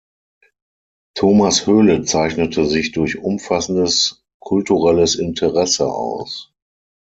Thomas Höhle zeichnete sich durch umfassendes kulturelles Interesse aus.